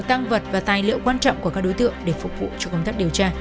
tăng vật và tài liệu quan trọng của các đối tượng để phục vụ cho công tác điều tra